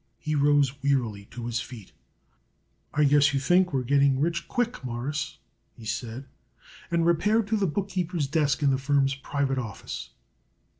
He rose wearily to his feet. "I guess you think we're getting rich quick, Mawruss," he said, and repaired to the bookkeeper's desk in the firm's private office.